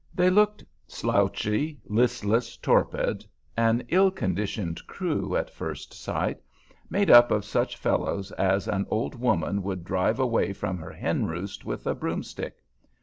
They looked slouchy, listless, torpid, an ill conditioned crew, at first sight, made up of such fellows as an old woman would drive away from her hen roost with a broomstick.